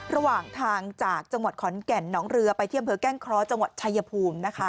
ระหว่างทางจากจังหวัดขอนแก่นหนองเรือไปที่อำเภอแก้งเคราะห์จังหวัดชายภูมินะคะ